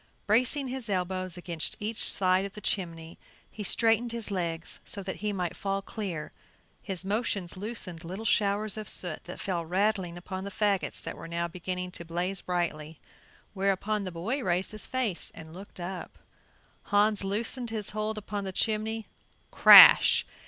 Bracing his elbows against each side of the chimney, he straightened his legs so that he might fall clear His motions loosened little shower of soot that fell rattling upon the fagots that were now beginning to blaze brightly, whereupon the boy raised his face and looked up. Hans loosened his hold upon the chimney; crash!